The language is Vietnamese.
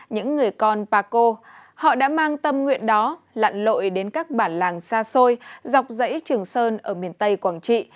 những người con paco họ đã mang tâm nguyện đó lặn lội đến các bản làng xa xôi dọc dãy trường sơn ở miền tây quảng trị